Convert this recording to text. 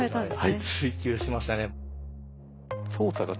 はい追求しましたね。